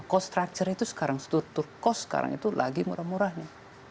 cost structure itu sekarang struktur cost sekarang itu lagi murah murah nih